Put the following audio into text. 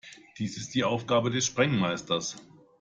Dies ist die Aufgabe des Sprengmeisters.